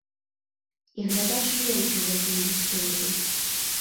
І глядач верыць у гэтую гісторыю.